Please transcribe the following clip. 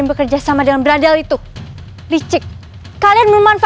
merupakan orang baru yang terbaik di sini